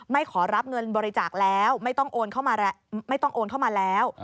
ไม่ขอรับเงินบริจาคแล้วไม่ต้องโอนเข้ามาแล้ว